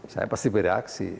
saya pasti bereaksi